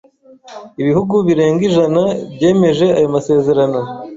Ibihugu birenga ijana byemeje ayo masezerano. .